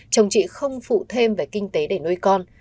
chồng chị không phụ thêm về kinh tế để nuôi con